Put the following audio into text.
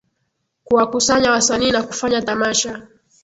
kuwakusanya wasanii na kufanya tamasha